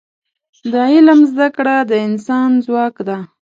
د علم زده کړه د انسان ځواک دی.